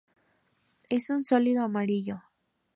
Es un sólido amarillo.